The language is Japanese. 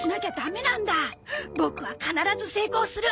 ボクは必ず成功する！